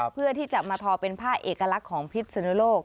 เพื่อที่จะมาทอเป็นผ้าเอกลักษณ์ของพิษสนุโลก